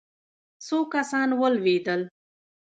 څو کسان ولوېدل.